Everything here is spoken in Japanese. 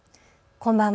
こんばんは。